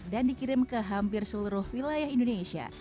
dan dikirim ke hampir seluruh wilayah indonesia